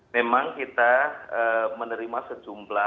memang kita menerima sejumlah